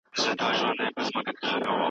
خدای دې په ګرده نړۍ پورې کړي اورونه